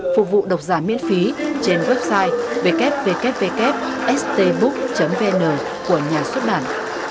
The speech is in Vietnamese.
phục vụ độc giả miễn phí trên website ww stbook vn của nhà xuất bản